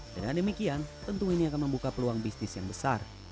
dengan demikian tentu ini akan membuka peluang bisnis yang besar